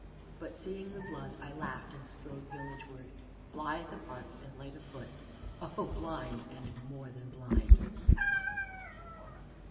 But, seeing the blood, I laughed, and strode villagewards, blithe of heart and light of foot. O Blind, and more than blind!